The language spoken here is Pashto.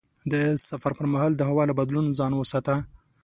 د سفر پر مهال د هوا له بدلون ځان وساته.